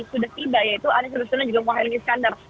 sudah tiba yaitu anies baswedan dan juga muhaymin iskandar